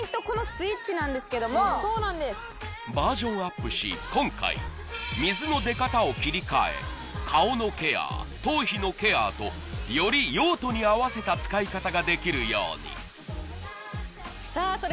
このスイッチなんですけどもバーションアップし今回水の出方を切り替え顔のケア頭皮のケアとより用途に合わせた使い方ができるようにさあ